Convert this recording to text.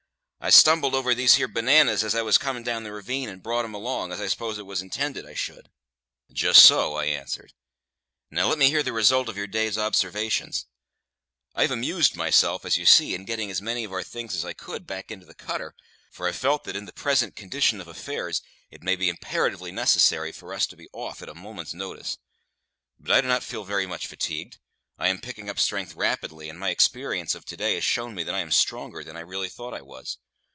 I stumbled over these here bananas as I was coming down the ravine, and brought 'em along, as I s'pose it was intended I should." "Just so," I answered. "Now let me hear the result of your day's observations. I have amused myself, as you see, in getting as many of our things as I could back into the cutter; for I felt that, in the present condition of affairs, it may be imperatively necessary for us to be off at a moment's notice. But I do not feel very much fatigued; I am picking up strength rapidly, and my experience of to day has shown me that I am stronger than I really thought I was.